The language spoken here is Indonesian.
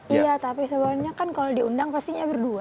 iya tapi sebenarnya kan kalau diundang pastinya berdua